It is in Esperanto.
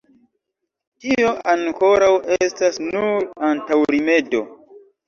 Tio, ankoraŭ, estas nur antaŭrimedo.